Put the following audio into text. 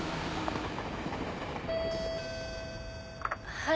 はい！